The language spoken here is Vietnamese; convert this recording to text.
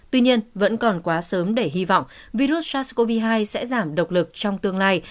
tuy nhiên vẫn còn quá sớm để hy vọng virus sars cov hai sẽ giảm độc lực trong tương lai